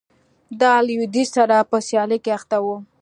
د لوېدیځ سره په سیالۍ کې اخته و.